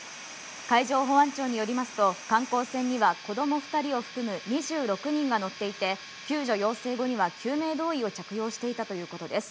海上保安庁によりますと、観光船には子供２人を含む２６人が乗っていて、救助要請後には救命胴衣を着用していたということです。